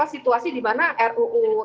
situasi dimana ruu